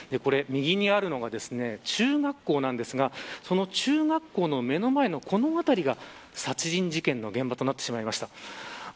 右にあるのが中学校なんですがその中学校の目の前のこの辺りが殺人事件の現場となってしまいました。